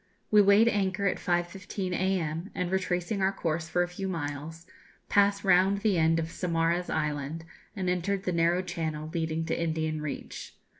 We weighed anchor at 5.15 a.m., and, retracing our course for a few miles, passed round the end of Saumarez Island, and entered the narrow channel leading to Indian Reach.